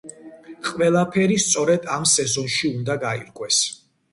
ყველაფერი სწორედ ამ სეზონში უნდა გაირკვეს.